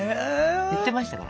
言ってましたから。